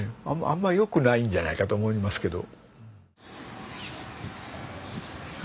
あんまよくないんじゃないかと思いますけど。